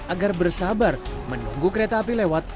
agar bersabar menunggu kereta api lewat